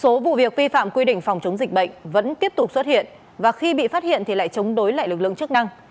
số vụ việc vi phạm quy định phòng chống dịch bệnh vẫn tiếp tục xuất hiện và khi bị phát hiện thì lại chống đối lại lực lượng chức năng